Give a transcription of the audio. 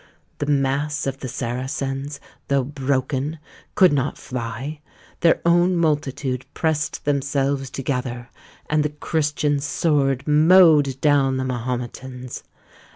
The mass of the Saracens, though broken, could not fly; their own multitude pressed themselves together, and the Christian sword mowed down the Mahometans.